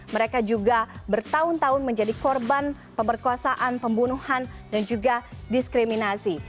mereka juga bertahun tahun menjadi korban pemerkosaan pembunuhan dan juga diskriminasi